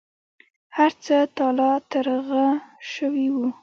هر څه تالا ترغه شوي وو.